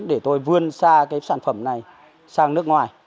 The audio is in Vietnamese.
để tôi vươn xa cái sản phẩm này sang nước ngoài